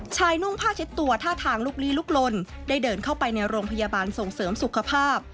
นุ่งผ้าเช็ดตัวท่าทางลุกลีลุกลนได้เดินเข้าไปในโรงพยาบาลส่งเสริมสุขภาพ